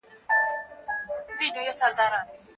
دهقانانو په خپلو پټيو کي په نويو لارو کار کاوه.